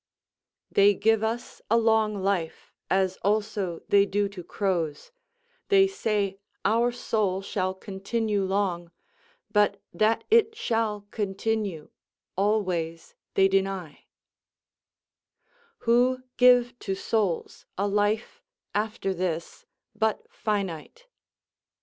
_ "They give us a long life, as also they do to crows; they say our soul shall continue long, but that it shall continue always they deny,") who give to souls a life after this, but finite.